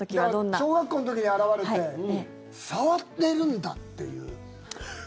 だから小学校の時に現れて触ってるんだっていう。